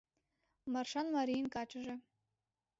Маршан марийын качыже -